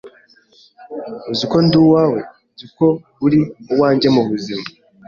Uzi ko ndi uwawe, nzi ko uri uwanjye mubuzima